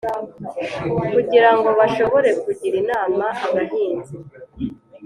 kugirango bashobore kugira inama abahinzi